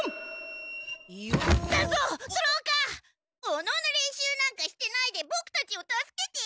お能の練習なんかしてないでボクたちを助けて！